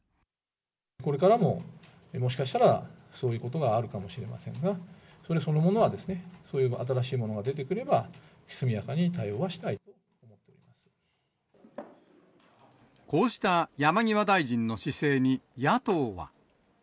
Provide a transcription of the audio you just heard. これからも、もしかしたら、そういうことがあるかもしれませんが、それそのものは、そういう新しいものが出てくれば、こうした山際大臣の姿勢に、野党は。